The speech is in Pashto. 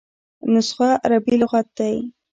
نسخه عربي لغت دﺉ.